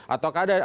atau ada keindahan